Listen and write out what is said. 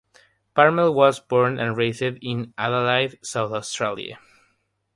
Palmer was born and raised in Adelaide, South Australia.